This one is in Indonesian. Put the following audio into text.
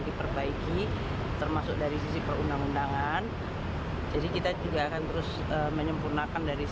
di dalam rangka untuk bisa menjaga stabilitas